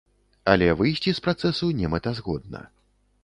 Але выйсці з працэсу немэтазгодна.